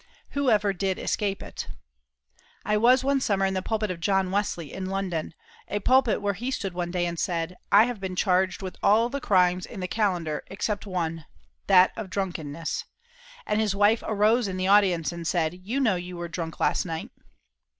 Whoever did escape it? I was one summer in the pulpit of John Wesley, in London a pulpit where he stood one day and said: "I have been charged with all the crimes in the calendar except one that of drunkenness," and his wife arose in the audience and said: "You know you were drunk last night."